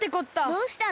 どうしたの？